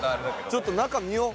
ちょっと中見よう。